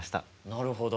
なるほど。